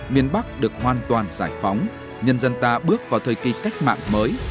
miền bắc được hoàn toàn giải phóng nhân dân ta bước vào thời kỳ cách mạng mới